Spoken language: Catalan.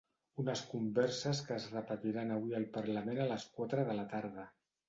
Unes converses que es repetiran avui al parlament a les quatre de la tarda.